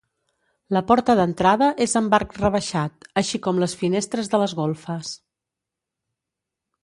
La porta d'entrada és amb arc rebaixat, així com les finestres de les golfes.